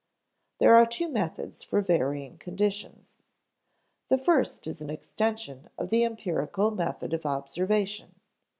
There are two methods for varying conditions. The first is an extension of the empirical method of observation.